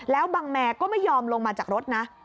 แล้วบังแมร์ก็ไม่ยอมลงมาจากรถนะ